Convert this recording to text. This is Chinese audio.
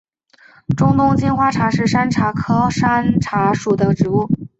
中东金花茶是山茶科山茶属的植物。